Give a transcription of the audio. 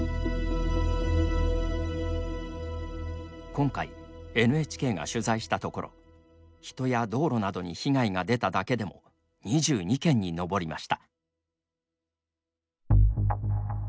今回、ＮＨＫが取材したところ人や道路などに被害が出ただけでも２２件に上りました。